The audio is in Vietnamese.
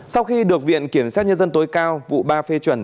sau khi được viện kiểm sát nhân dân tối cao vụ ba phê chuẩn